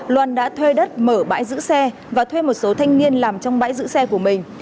loan đã thuê đất mở bãi giữ xe và thuê một số thanh niên làm trong bãi giữ xe của mình